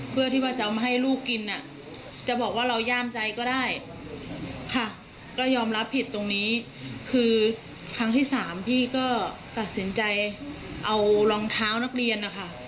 เพื่อที่ว่าจะเอามาให้ลูกกินจะบอกว่าเราย่ามใจก็ได้ค่ะก็ยอมรับผิดตรงนี้คือครั้งที่สามพี่ก็ตัดสินใจเอารองเท้านักเรียนนะคะ